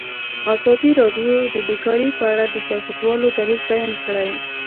ازادي راډیو د بیکاري په اړه د سیاستوالو دریځ بیان کړی.